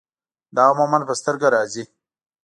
دا عموماً پۀ سترګه راځي